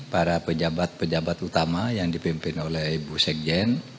para pejabat pejabat utama yang dipimpin oleh bu sekjen